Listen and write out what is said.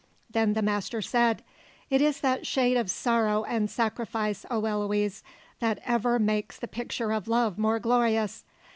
Then the Master said: "It is that shade of sorrow and sacrifice, O Eloise, that ever makes the picture of love more glorious.